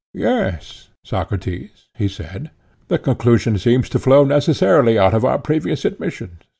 Yes, Socrates, he said; the conclusion seems to flow necessarily out of our previous admissions.